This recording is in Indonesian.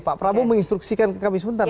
pak prabowo menginstruksikan ke kami sebentar